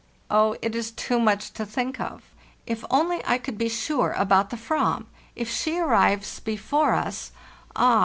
Oh, it is too much to think of! If only I could be sure about the "vam / If she arrives before us, ah!